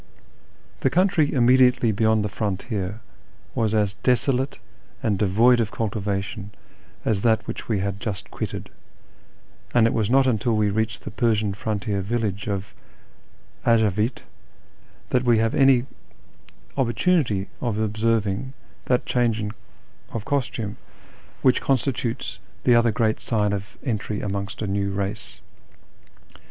The country immediately beyond the frontier was as desolate and devoid of cultivation as that which we had just quitted, and it was not until we reached the Persian frontier village of Avajik that we had any opportunity of observing that change of costume which constitutes the other cjreat siu'u of entry amongst a new race.